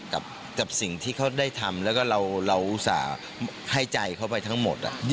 กับสิ่งที่เขาได้ทำแล้วก็เราอุตส่าห์ให้ใจเขาไปทั้งหมด